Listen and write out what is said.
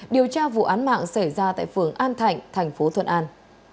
điều tra vụ án mạng xảy ra tại phường an thạnh thành phố thuận an